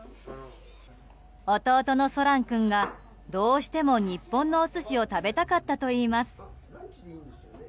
弟のソラン君がどうしても、日本のお寿司を食べたかったといいます。